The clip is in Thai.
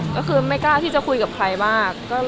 ก็คือไม่กล้าที่จะคุยกับใครมาก